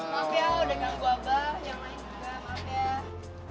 maaf ya udah ganggu abah